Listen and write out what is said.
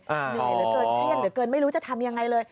เหนื่อยเหลือเกินไม่รู้จะทำยังไงเลย